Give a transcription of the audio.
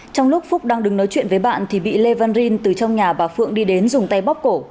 trong lúc phúc đang đứng nói chuyện với bạn thì bị lê văn rin từ trong nhà bà phượng đi đến dùng tay bóp cổ